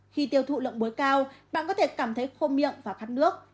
khi tiêu thụ lượng muối cao bạn có thể cảm thấy khô miệng và khát nước